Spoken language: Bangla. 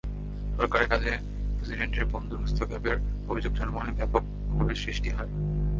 সরকারের কাজে প্রেসিডেন্টের বন্ধুর হস্তক্ষেপের অভিযোগে জনমনে ব্যাপক ক্ষোভের সৃষ্টি হয়।